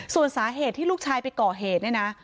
ส่วนสาเหตุที่ลูกชายไปก่อเหตุเนี่ยนะ